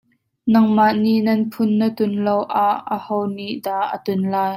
Nangmah nih nan phun na tun loah aho nih dah a tun lai.